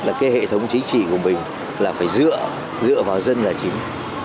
là cái hệ thống chính trị của mình là phải dựa vào dân là chính